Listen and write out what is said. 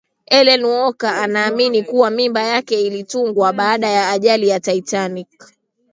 ellen walker anaamini kuwa mimba yake ilitungwa kabla ya ajali ya titanic